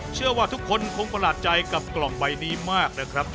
เชื่อว่าทุกคนคงประหลาดใจกับกล่องใบนี้มากนะครับ